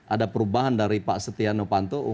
ada perubahan dari pak setiano panto